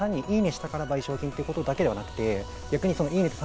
したから賠償金ということだけではなく、「いいね」